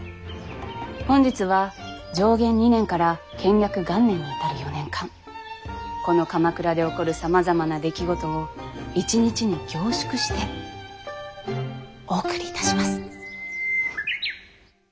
本日は承元２年から建暦元年に至る４年間この鎌倉で起こるさまざまな出来事を一日に凝縮してお送りいたします。